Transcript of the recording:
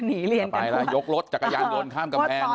เรียนไปแล้วยกรถจักรยานยนต์ข้ามกำแพง